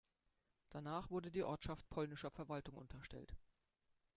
Danach wurde die Ortschaft polnischer Verwaltung unterstellt.